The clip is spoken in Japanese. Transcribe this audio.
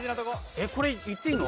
えっこれ言っていいの？